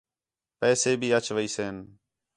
پیسے بھی اَچ ویسِن